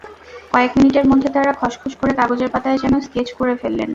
কয়েক মিনিটের মধ্যে তাঁরা খসখস করে কাগজের পাতায় যেন স্কেচ করে ফেললেন।